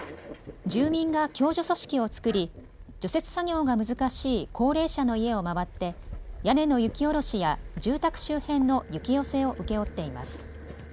住民が共助組織を作り除雪作業が難しい高齢者の家を回って屋根の雪下ろしや住宅周辺の雪寄せを請け負っています。